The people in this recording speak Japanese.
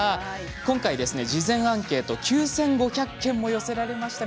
今回は事前アンケート９５００も寄せられました。